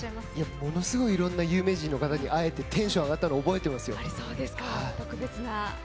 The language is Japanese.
ものすごい、いろんな有名人の方に会えてテンション上がったの覚えています。